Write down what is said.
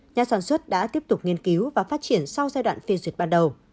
nhà sản xuất đã tiếp tục nghiên cứu và phát triển sau giai đoạn phê duyệt ban đầu